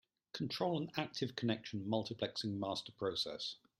Control an active connection multiplexing master process.